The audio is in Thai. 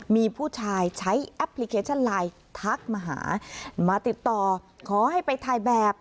มีผู้ชายใช้แอปพลิเคชันไลน์ทักมาหามาติดต่อขอให้ไปถ่ายแบบ